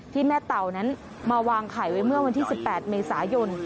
แม่เต่านั้นมาวางไข่ไว้เมื่อวันที่๑๘เมษายน